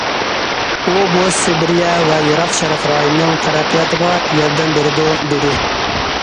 ئۇ، بۇ سىبىرىيە ۋە يىراق شەرق رايونىنىڭ تەرەققىياتىغا ياردەم بېرىدۇ دېدى.